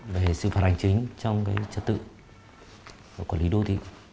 về xử phạt hành chính trong trật tự của quản lý đô thị